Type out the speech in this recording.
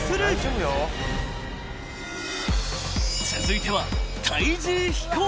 ［続いては］